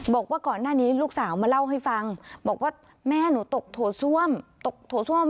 บอกว่าก่อนหน้านี้ลูกสาวมาเล่าให้ฟังบอกว่าแม่หนูตกโถส้วมตกโถส้วม